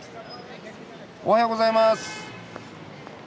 おはようございます。